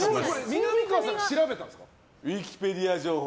みなみかわさんが調べたんですか？